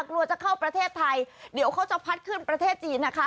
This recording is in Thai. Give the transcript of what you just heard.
กลัวจะเข้าประเทศไทยเดี๋ยวเขาจะพัดขึ้นประเทศจีนนะคะ